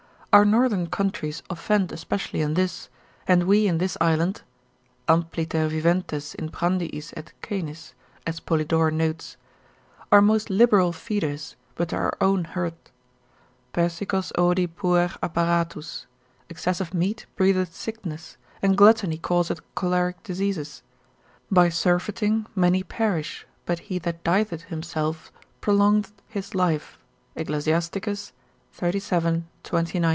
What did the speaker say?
Our northern countries offend especially in this, and we in this island (ampliter viventes in prandiis et caenis, as Polydore notes) are most liberal feeders, but to our own hurt. Persicos odi puer apparatus: Excess of meat breedeth sickness, and gluttony causeth choleric diseases: by surfeiting many perish, but he that dieteth himself prolongeth his life, Ecclus. xxxvii. 29, 30.